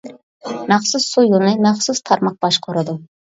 مەخسۇس سۇ يولىنى مەخسۇس تارماق باشقۇرىدۇ.